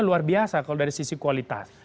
luar biasa kalau dari sisi kualitas